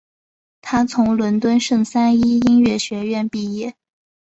他从伦敦圣三一音乐学院毕业。